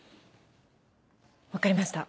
分かりました。